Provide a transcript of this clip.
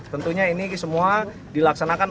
tentunya ini semua dilaksanakan